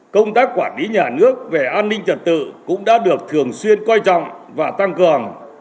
công tác quản lý nhà nước về an ninh trật tự cũng đã được thường xuyên coi trọng và tăng cường